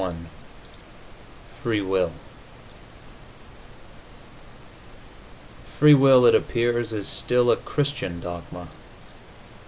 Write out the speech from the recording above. XLI FREE WILL Free will, it appears, is still a Christian dogma.